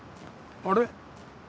あれ？